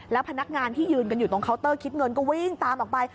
พนักงานที่ยืนกันอยู่ตรงเคาน์เตอร์คิดเงินก็วิ่งตามออกไป